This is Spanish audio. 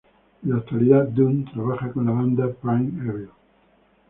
En la actualidad, Dunn trabaja con la banda Prime Evil.